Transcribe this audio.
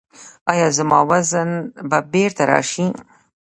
ایا زما وزن به بیرته راشي؟